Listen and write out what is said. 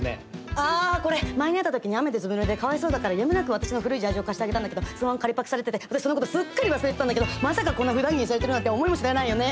あこれ前に会った時に雨でずぶぬれでかわいそうだからやむなく私の古いジャージを貸してあげたんだけどそのまま借りパクされてて私そのことすっかり忘れてたんだけどまさかこんなふだん着にされてるなんて思いもしないよね。